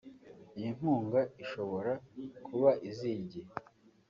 Iyi nkunga ishobora kuba iziye igihe